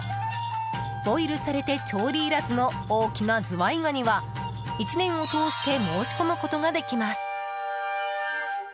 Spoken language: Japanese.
ボイルされて調理いらずの大きなズワイガニは１年を通して申し込むことができます。